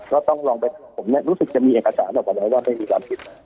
ก็ต้องลองไปผมรู้สึกจะมีเอกสารออกมาแล้วว่าไม่มีความผิด